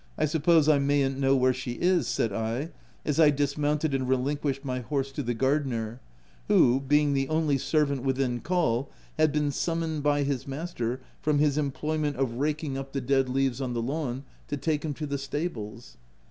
1 suppose I mayn't know where she is?" said I, as I dismounted and relinquished my horse to the gardener, who, being the only ser vant within call, had been summoned by his master, from his employment of raking up the 192 THE TENANT. dead leaves on the lawn, to take him to the stables.